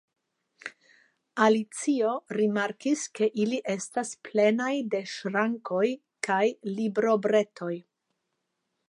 Alicio rimarkis ke ili estas plenaj de ŝrankoj kaj librobretoj.